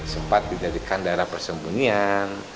sempat dijadikan daerah persembunyian